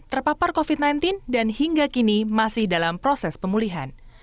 terpapar covid sembilan belas dan hingga kini masih dalam proses pemulihan